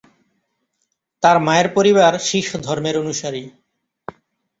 তার মায়ের পরিবার শিখ ধর্মের অনুসারী।